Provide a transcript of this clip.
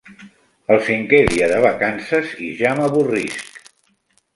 El cinquè dia de vacances i ja m'avorrisc.